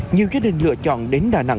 nhiều gia đình lựa chọn đến đà nẵng